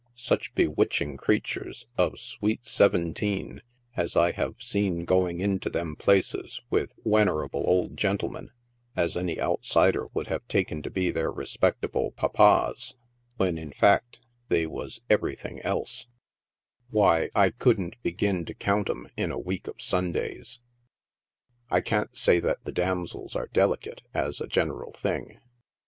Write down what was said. Such bewitching creatures, of sweet seventeen, as I have seen going into them places with wenerable old gentlemen, as any outsider would have taken to be their re spectable papas, when, in fact, they was everything else ; why, I OUR ALL NIGHT EATING HOUSES. 19 couldn't begin to count 'em in a week of Sundays. I can't say that the damsels are delicate, as a general thing.